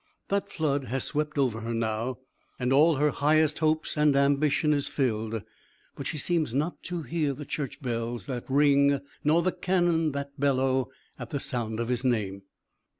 That flood has swept over her now, and all her highest hopes and ambition is filled, but she seems not to hear the church bells that ring nor the cannon that bellow at the sound of his name.